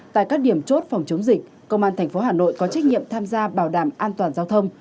tại các điểm chốt phòng chống dịch công an tp hà nội có trách nhiệm tham gia bảo đảm an toàn giao thông